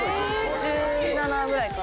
１７ぐらいかな。